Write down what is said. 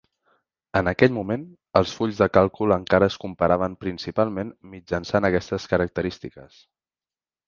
En aquell moment, els fulls de càlcul encara es comparaven principalment mitjançant aquestes característiques.